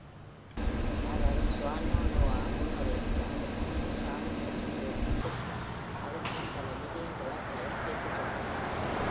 அவர் Swannanoa முழுவதையும் தனது மனைவி Sally Mae-விற்குக் கொடுத்தார், அதனுடன் பல மில்லியன் டாலர்களையும் சேர்த்துக் கொடுத்தார்.